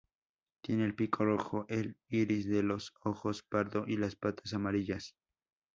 Tiene el pico rojo, el iris de los ojos pardo y las patas amarillas.